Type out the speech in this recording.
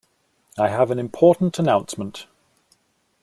I have an important announcement